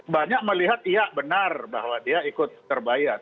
banyak melihat iya benar bahwa dia ikut terbayar